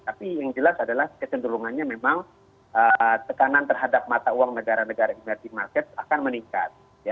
tapi yang jelas adalah kecenderungannya memang tekanan terhadap mata uang negara negara emerging market akan meningkat